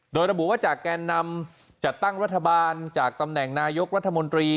โดยระบุว่าจากแกนนำจัดตั้งรัฐบาลจากตำแหน่งนายกรัฐมนตรี